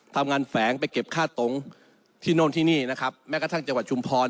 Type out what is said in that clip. แฝงไปเก็บค่าตงที่โน่นที่นี่นะครับแม้กระทั่งจังหวัดชุมพร